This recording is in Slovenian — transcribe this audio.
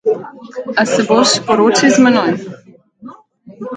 Ali se boš poročil z mano?